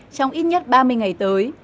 trong ít nhất ba mươi ngày tới